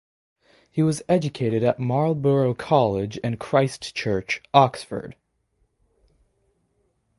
He was educated at Marlborough College and Christ Church, Oxford.